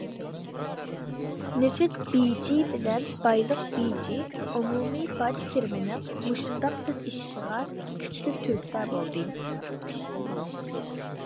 نېفىت بېجى بىلەن بايلىق بېجى ئومۇمىي باج كىرىمىنىڭ مۇشۇنداق تېز ئېشىشىغا كۈچلۈك تۈرتكە بولدى.